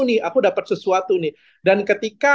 nih aku dapat sesuatu nih dan ketika